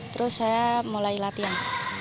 terus saya mulai latihan